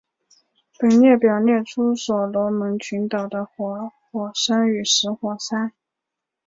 本列表列出所罗门群岛的活火山与死火山。